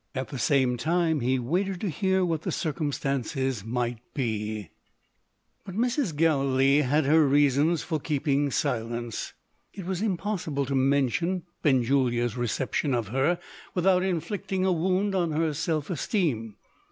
At the same time, he waited to hear what the circumstances might be. But Mrs. Galilee had her reasons for keeping silence. It was impossible to mention Benjulia's reception of her without inflicting a wound on her self esteem.